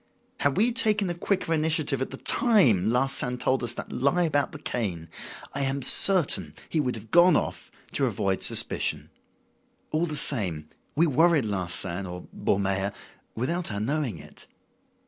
Had we taken a quicker initiative at the time Larsan told us that lie about the cane, I am certain he would have gone off, to avoid suspicion. All the same, we worried Larsan or Ballmeyer without our knowing it."